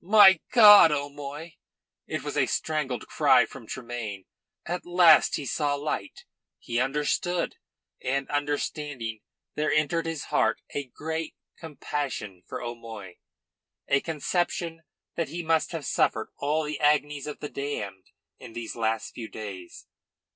"My God, O'Moy!" It was a strangled cry from Tremayne. At last he saw light; he understood, and, understanding, there entered his heart a great compassion for O'Moy, a conception that he must have suffered all the agonies of the damned in these last few days.